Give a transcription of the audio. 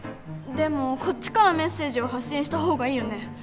でもこっちからメッセージを発信した方がいいよね。